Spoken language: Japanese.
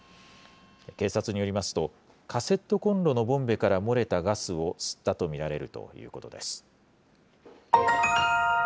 警察によりますと、カセットコンロのボンベから漏れたガスを吸ったと見られるということです。